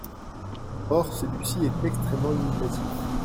Or celui-ci est extrêmement limitatif.